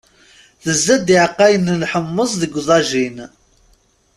Tezza-d iɛeqqayen n lḥemmeẓ deg uḍajin.